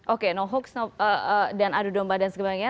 oke no hoax dan adu domba dan sebagainya